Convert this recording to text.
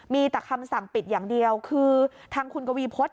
มีแต่คำสั่งปิดอย่างเดียวคือทางคุณกวีพฤษ